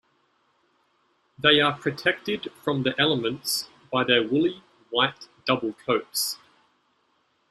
They are protected from the elements by their woolly white double coats.